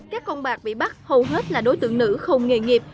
các con bạc bị bắt hầu hết là đối tượng nữ không nghề nghiệp